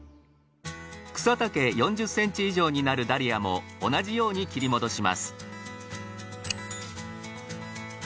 草丈４０ｃｍ以上になるダリアも同じように切り戻します。